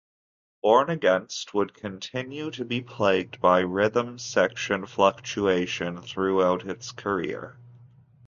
Born Against would continue to be plagued by rhythm section fluctuation throughout its career.